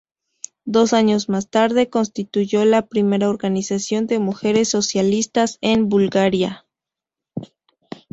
Dos años más tarde, constituyó la primera organización de mujeres socialistas en Bulgaria.